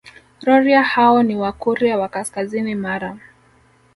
Rorya hao ni Wakurya wa kaskazini Mara